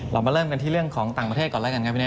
เรามาเริ่มกันที่เรื่องของต่างประเทศก่อนแล้วกันครับพี่เน